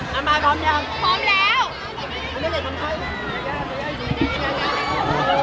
สวัสดีครับ